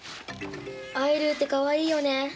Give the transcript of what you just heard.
アイルーってかわいいよねえ。